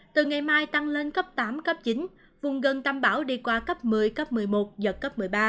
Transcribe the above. từ ngày mai tăng lên cấp tám cấp chín vùng gần tâm bão đi qua cấp một mươi cấp một mươi một giật cấp một mươi ba